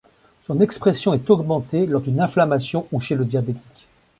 Son expression est augmentée lors d'une inflammation ou chez le diabétique.